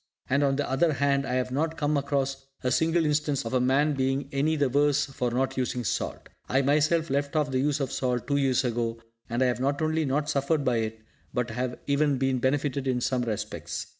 And, on the other hand, I have not come across a single instance of a man being any the worse for not using salt. I myself left off the use of salt two years ago, and I have not only not suffered by it, but have even been benefitted in some respects.